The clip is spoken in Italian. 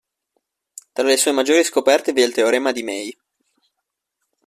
Tra le sue maggiori scoperte vi è il Teorema di May.